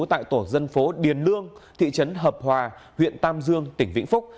tại tổ dân phố điền lương thị trấn hợp hòa huyện tam dương tỉnh vĩnh phúc